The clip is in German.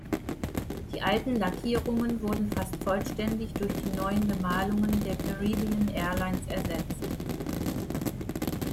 Die alten Lackierungen wurden fast vollständig durch die neuen Bemalungen der Caribbean Airlines ersetzt.